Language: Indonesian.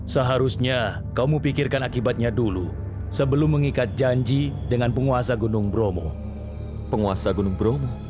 seharusnya kamu pikirkan akibatnya dulu sebelum mengikat janji dengan penguasa gunung bromo